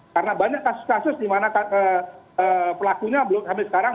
karena banyak kasus kasus di mana pelakunya belum sampai sekarang